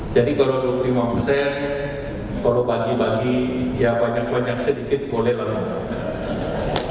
jadi kalau dua puluh lima persen kalau bagi bagi ya banyak banyak sedikit boleh lah